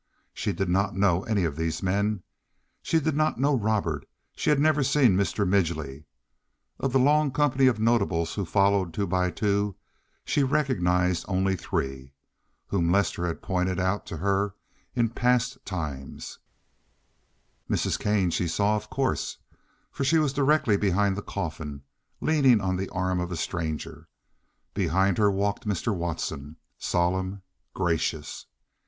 She did not know any of these men. She did not know Robert. She had never seen Mr. Midgely. Of the long company of notables who followed two by two she recognized only three, whom Lester had pointed out to her in times past. Mrs. Kane she saw, of course, for she was directly behind the coffin, leaning on the arm of a stranger; behind her walked Mr. Watson, solemn, gracious.